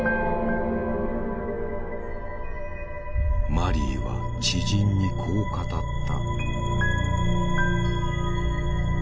マリーは知人にこう語った。